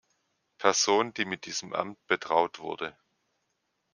Person, die mit diesem Amt betraut wurde.